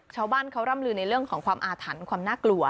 ชาวบ้านเขาร่ำลือในเรื่องของความอาถรรพ์ความน่ากลัว